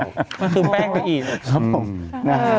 มันคือแป้งลงอีกครับผม